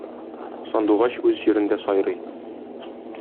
Сандугач үз җирендә сайрый.